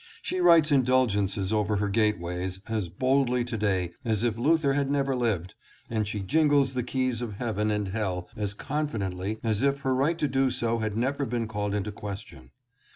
She writes indulgences over her gateways as boldly to day as if Luther had never lived, and she jingles the keys of heaven and hell as confidently as if her right to do so had never been called into question.